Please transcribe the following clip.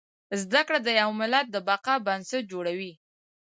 زده کړه د يو ملت د بقا بنسټ جوړوي